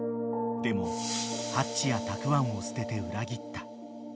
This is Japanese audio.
［でもハッチやたくわんを捨てて裏切った］